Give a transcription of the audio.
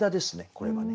これはね。